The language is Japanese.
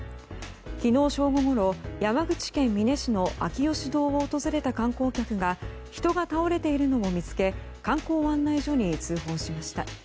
昨日正午ごろ山口県美祢市の秋芳洞を訪れた観光客が人が倒れているのを見つけ観光案内所に通報しました。